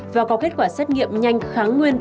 và có kết quả xét nghiệm nhanh kháng nguyên